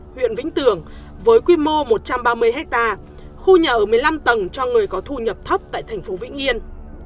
huyện vĩnh tường với quy mô một trăm ba mươi hectare khu nhà ở một mươi năm tầng cho người có thu nhập thấp tại thành phố vĩnh yên